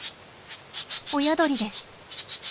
親鳥です。